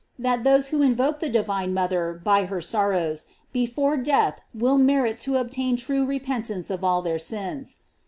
That those who invoke the divine mother by her sorrows, before death will merit to obtain true repentance of all their sins.